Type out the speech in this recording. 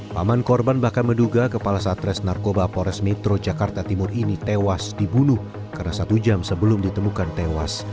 paman korban bahkan menduga kepala satres narkoba pores metro jakarta timur ini tewas dibunuh karena satu jam sebelum ditemukan tewas